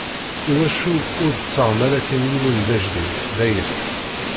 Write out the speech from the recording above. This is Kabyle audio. Iwacu ur d-tettaɣem ara kan yiwen d ajdid, dayen?